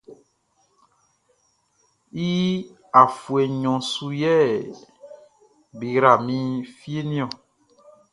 I afuɛ nɲɔn su yɛ be yra mi fieʼn niɔn.